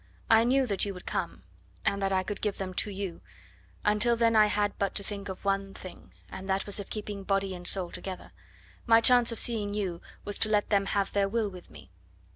I knew that you would come, and that I could give them to you; until then I had but to think of one thing, and that was of keeping body and soul together. My chance of seeing you was to let them have their will with me.